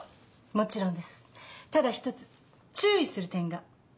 もちろんですただ１つ注意する点が。